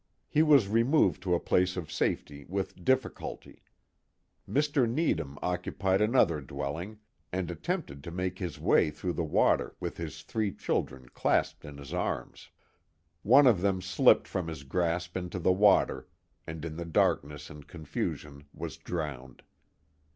He was removed to a place of safety with difficulty. Mr. Needham occupied another dwelling, and attempted to make his way through the water with his three children clasped in his arms. One of them slipped from his grasp into the water, and in the dark ness and confusion was drowned.